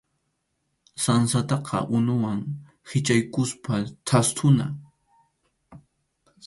Sansataqa unuwan hichʼaykuspa thasnuna.